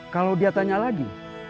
kalau dia tanya lagi